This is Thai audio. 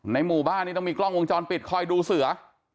หมู่บ้านนี้ต้องมีกล้องวงจรปิดคอยดูเสือ